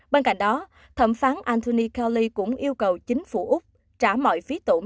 bên cạnh đó thẩm phán anthony kali cũng yêu cầu chính phủ úc trả mọi phí tổn